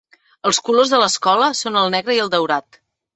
Els colors de l'escola són el negre i el daurat.